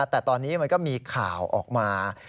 แต่ตอนนี้มันก็มีข่าวออกมา